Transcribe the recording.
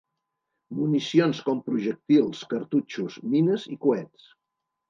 Municions com projectils, cartutxos, mines i coets.